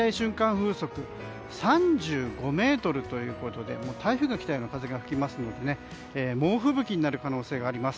風速３５メートルということで台風が来たような風が吹きますので猛吹雪になる可能性があります。